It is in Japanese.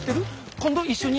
今度一緒に。